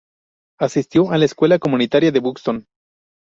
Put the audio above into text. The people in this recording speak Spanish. Asistió a la escuela comunitaria de Buxton.